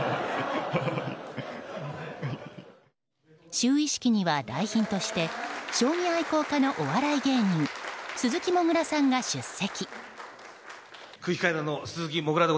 就位式には来賓として将棋愛好家のお笑い芸人鈴木もぐらさんが出席。